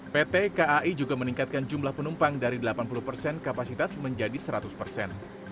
pt kai juga meningkatkan jumlah penumpang dari delapan puluh persen kapasitas menjadi seratus persen